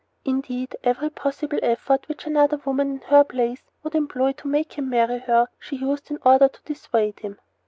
Indeed, every possible effort which another woman in her place would employ to make him marry her she used in order to dissuade him.